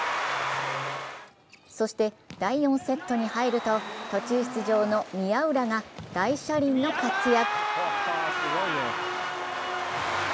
そして第４セットに入ると途中出場の宮浦が大車輪の活躍。